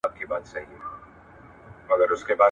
ماشومان په هر عمر کې زده کړه کوي.